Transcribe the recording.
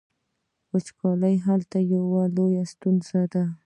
وچکالي هلته یوه لویه ستونزه ده.